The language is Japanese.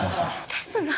ですが。